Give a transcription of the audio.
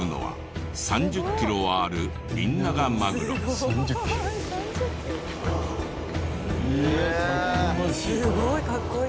すごいかっこいい。